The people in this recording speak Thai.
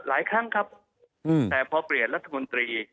หลายครั้งครับแต่พอเปลี่ยนรัฐบาลการณ์ลัตรี